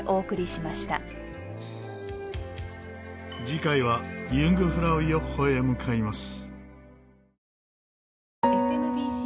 次回はユングフラウヨッホへ向かいます。